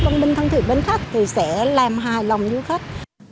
đồng minh thân thủy bên khách sẽ làm hài lòng du khách